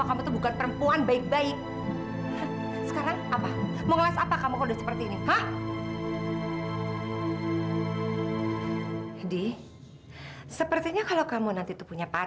sampai jumpa di video selanjutnya